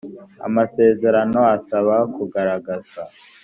amasezerano asaba kugaragazwa